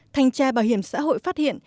thanh tra bảo hiểm xã hội phát hiện